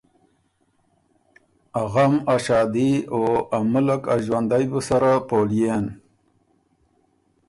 ا غم ا شادي او ا مُلّک ا ݫوندئ بُو سره پولئېن۔